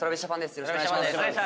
よろしくお願いします。